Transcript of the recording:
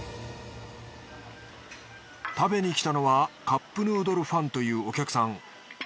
食べにきたのはカップヌードルファンというお客さん。